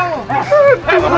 eh mau lari ke mana